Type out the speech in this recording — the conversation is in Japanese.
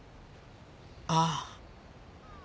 ああ。